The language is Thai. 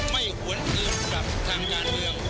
ไม่ควรอื่นกับทางยามเดียว